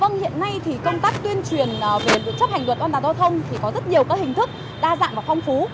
vâng hiện nay thì công tác tuyên truyền về lực chấp hành luật quan tạp giao thông thì có rất nhiều các hình thức đa dạng và phong phú